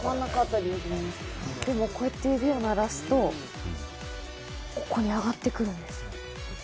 でもこうやって指を鳴らすと、ここに上がってくるんです。